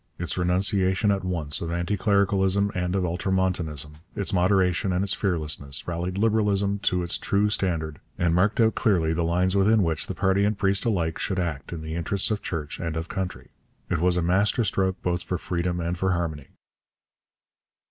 Its renunciation at once of anti clericalism and of ultramontanism, its moderation and its fearlessness, rallied Liberalism to its true standard and marked out clearly the lines within which party and priest alike should act in the interests of church and of country. It was a master stroke both for freedom and for harmony.